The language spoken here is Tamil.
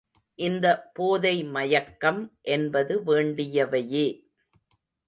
இந்த போதை மயக்கம் என்பது வேண்டியவையே.